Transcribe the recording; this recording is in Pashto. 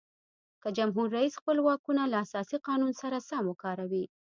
که جمهور رئیس خپل واکونه له اساسي قانون سره سم وکاروي.